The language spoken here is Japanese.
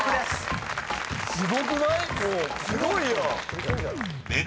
すごいよ！